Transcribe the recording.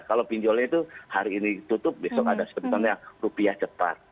kalau pinjolnya itu hari ini tutup besok ada sebetulnya rupiah cepat